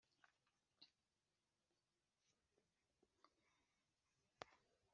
“urukundo ni igihe uhuye n'umuntu ukubwira ikintu gishya kuri wewe.”